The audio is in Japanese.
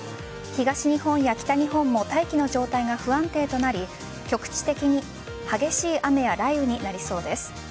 東日本や北日本も大気の状態が不安定となり局地的に激しい雨や雷雨になりそうです。